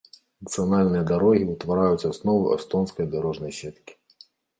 Нацыянальныя дарогі ўтвараюць аснову эстонскай дарожнай сеткі.